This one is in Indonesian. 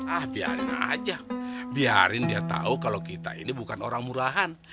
ah biarin aja biarin dia tahu kalau kita ini bukan orang murahan